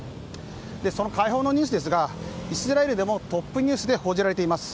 その解放のニュースですがイスラエルでもトップニュースで報じられています。